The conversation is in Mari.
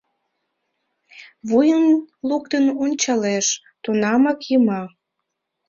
Вуйым луктын ончалеш — тунамак йыма.